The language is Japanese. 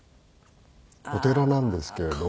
お寺なんですけれど。